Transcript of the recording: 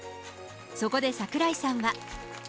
そこで櫻井さんは。